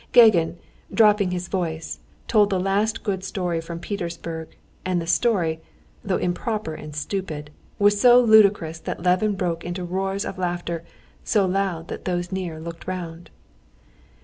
Gagin, dropping his voice, told the last good story from Petersburg, and the story, though improper and stupid, was so ludicrous that Levin broke into roars of laughter so loud that those near looked round.